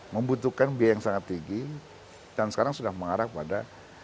membutuhkan biaya yang sangat tinggi dan sekarang sudah mengarah pada